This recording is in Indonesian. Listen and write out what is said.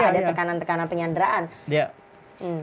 ada tekanan tekanan penyanderaan